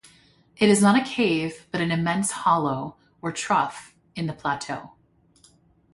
It is not a cave, but an immense hollow or trough in the plateau.